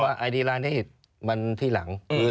ไอดีร้านนี้มันที่หลัง